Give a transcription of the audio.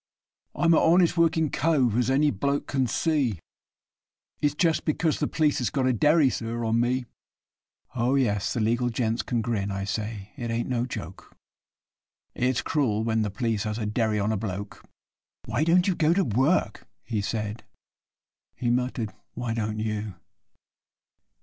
'I am a honest workin' cove, as any bloke can see, It's just because the p'leece has got a derry, sir, on me; Oh, yes, the legal gents can grin, I say it ain't no joke It's cruel when the p'leece has got a derry on a bloke.' 'Why don't you go to work?' he said (he muttered, 'Why don't you?